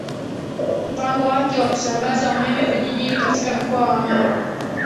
mpango wake wa kusambaza umeme vijijini katika Mkoa wa Mara